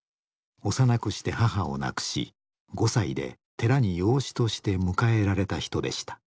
幼くして母を亡くし５歳で寺に養子として迎えられた人でした。